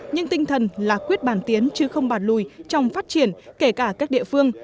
nhưng tinh thần là quyết bàn tiến chứ không bàn lùi trong phát triển kể cả các địa phương